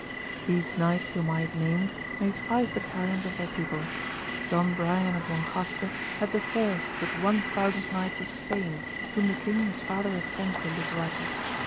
These knights whom I have named, made five battalions of their people. Don Brian of Monjaste had the first AMADIS OF GAUL. 209 with one thousand knights of Spain, whom the king his father had sent to Lisuarte.